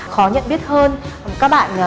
khó nhận biết hơn các bạn